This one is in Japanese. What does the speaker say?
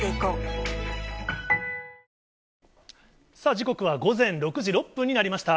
時刻は午前６時６分になりました。